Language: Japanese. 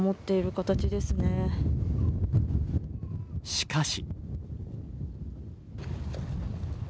しかし。